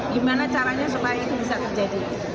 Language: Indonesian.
gimana caranya supaya itu bisa terjadi